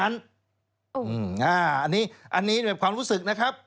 อันนี้ด้วยความรู้สึกนะครับ